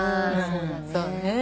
そうね。